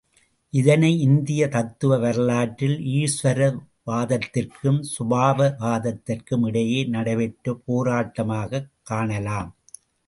இதனை இந்திய தத்துவ வரலாற்றில் ஈஸ்வர வாதத்திற்கும் சுபாவ வாதத்திற்கும் இடையே நடைபெற்ற போராட்டமாகக் காணலாம்.